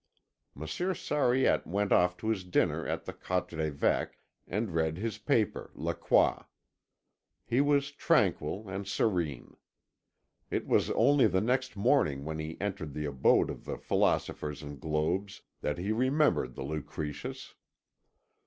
Monsieur Sariette went off to his dinner at the Quatre Évêques, and read his paper La Croix. He was tranquil and serene. It was only the next morning when he entered the abode of the Philosophers and Globes that he remembered the Lucretius.